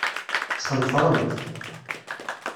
Sxenfrent.